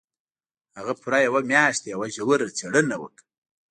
هغه پوره يوه مياشت يوه ژوره څېړنه وکړه.